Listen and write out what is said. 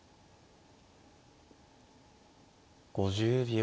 ５０秒。